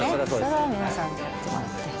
それは皆さんでやってもらって。